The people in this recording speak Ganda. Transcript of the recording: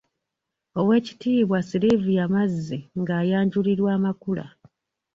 Oweekitiibwa Sylvia Mazzi ng'ayanjulirwa amakula.